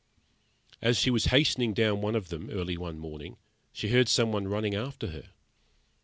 As she was hastening down one of them, early one morning, she heard some one running after her.